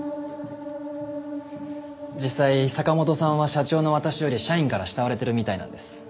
実際坂本さんは社長の私より社員から慕われてるみたいなんです。